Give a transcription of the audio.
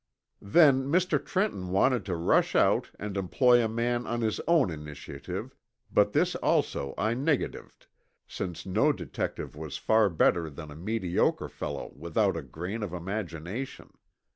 Then Mr. Trenton wanted to rush out and employ a man on his own initiative, but this also I negatived, since no detective was far better than a mediocre fellow without a grain of imagination.